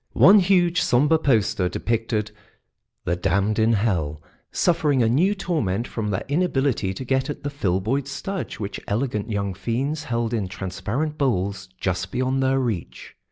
One huge, sombre poster depicted the Damned in Hell suffering a new torment from their inability to get at the Filboid Studge which elegant young fiends held in transparent bowls just beyond their reach.